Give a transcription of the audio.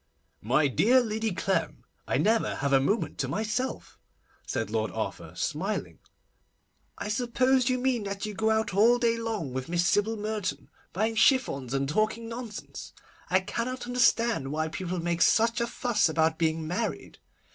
'My dear Lady Clem, I never have a moment to myself,' said Lord Arthur, smiling. 'I suppose you mean that you go about all day long with Miss Sybil Merton, buying chiffons and talking nonsense? I cannot understand why people make such a fuss about being married.